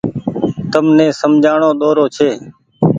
تم ني سمجهآڻو ۮورو ڇي۔